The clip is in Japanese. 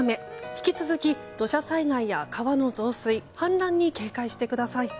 引き続き土砂災害や川の増水、氾濫に警戒してください。